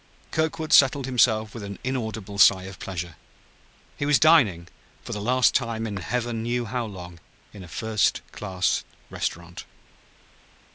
Kirkwood settled himself with an inaudible sigh of pleasure. He was dining, for the last time in Heaven knew how long, in a first class restaurant.